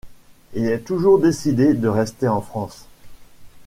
Il est toujours décidé de rester en France.